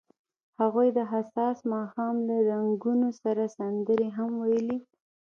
هغوی د حساس ماښام له رنګونو سره سندرې هم ویلې.